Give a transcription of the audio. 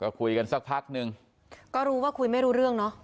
ก็คุยกันสักพักนึงก็รู้ว่าคุยไม่รู้เรื่องเนอะ